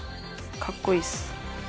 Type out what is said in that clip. かっこいいっす。